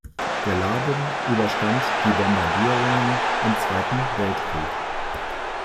Der Laden überstand die Bombardierungen im Zweiten Weltkrieg.